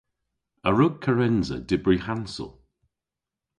A wrug Kerensa dybri hansel?